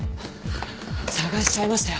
捜しちゃいましたよ！